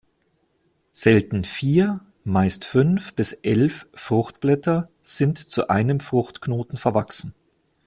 Selten vier, meist fünf bis elf Fruchtblätter sind zu einem Fruchtknoten verwachsen.